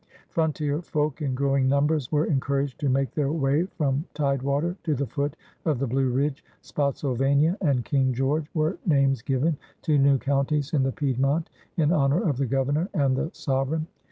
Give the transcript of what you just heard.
Frontier folk in growing numbers were en coiuraged to make their way from tidewater to the foot of the Blue Ridge. Spotsylvania and King George were names given to new counties in the Piedmont in honor of the Governor and the sover eign.